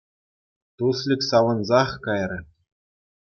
Туслик савӑнсах кайрӗ.